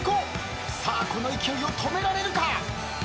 さあこの勢いを止められるか？